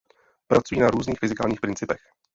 Pracují na různých fyzikálních principech.